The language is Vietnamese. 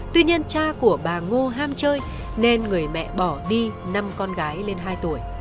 tuy nhiên cha của bà ngô ham chơi nên người mẹ bỏ đi năm con gái lên hai tuổi